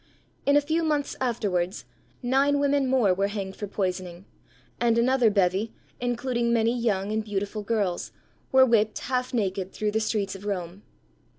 In a few months afterwards, nine women more were hanged for poisoning; and another bevy, including many young and beautiful girls, were whipped half naked through the streets of Rome.